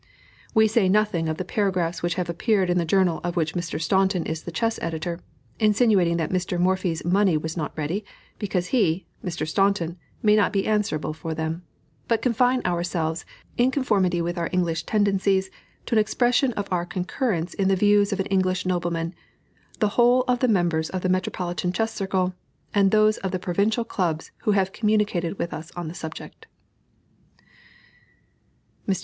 We say nothing of the paragraphs which have appeared in the journal of which Mr. Staunton is the chess editor, insinuating that Mr. Morphy's money was not ready, because he (Mr. Staunton) may not be answerable for them, but confine ourselves, in conformity with our English tendencies, to an expression of our concurrence in the views of an English nobleman, the whole of the members of the Metropolitan Chess circle, and those of the provincial clubs who have communicated with us on the subject." Mr.